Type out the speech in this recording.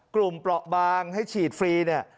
กลุ่มปลอบางให้ฉีดฟรี